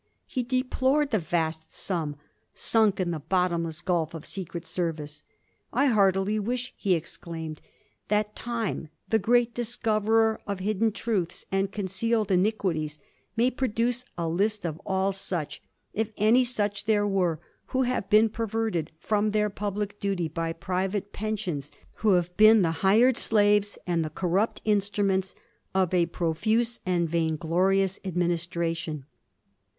He deplored the vast sum ' sunk in the bottomless gulf of secret service ^ I heartily wish,' he exclaimed, ^that time, the great discoverer of hidden truths and concealed iniquities, may produce a list of all such — if any such there were — ^who have been perverted firom their public duty by private pensions, who have been the hired slaves and the corrupt instruments of a profuse and vainglorious administration.'